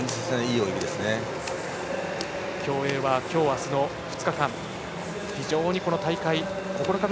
競泳は今日、あすの２日間。